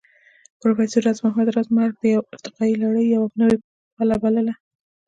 پروفېسر راز محمد راز مرګ د يوې ارتقائي لړۍ يوه نوې پله بلله